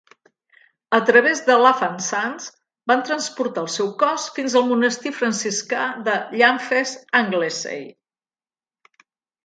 A través de Lafan Sands, van transportar el seu cos fins al monestir franciscà de Llanfaes, Anglesey.